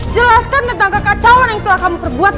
jelaskan tentang kekacauan yang telah kamu perbuat